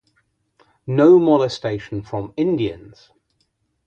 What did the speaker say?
No molestation from Indians.